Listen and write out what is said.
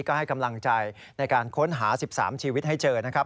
ก็ให้กำลังใจในการค้นหา๑๓ชีวิตให้เจอนะครับ